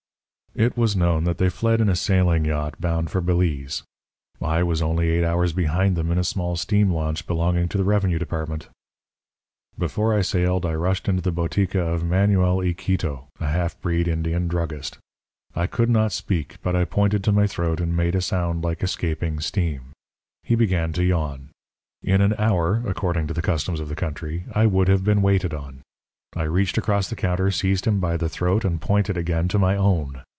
"It was known that they fled in a sailing yacht bound for Belize. I was only eight hours behind them in a small steam launch belonging to the Revenue Department. "Before I sailed, I rushed into the botica of old Manuel Iquito, a half breed Indian druggist. I could not speak, but I pointed to my throat and made a sound like escaping steam. He began to yawn. In an hour, according to the customs of the country, I would have been waited on. I reached across the counter, seized him by the throat, and pointed again to my own.